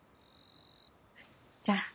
じゃあ。